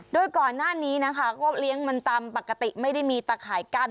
โดยก่อนหน้านี้นะคะก็เลี้ยงมันตามปกติไม่ได้มีตะข่ายกั้น